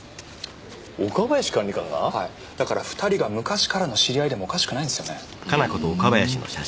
はいだから２人が昔からの知り合いでもおかしくないんですよねふーん